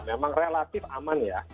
memang relatif aman ya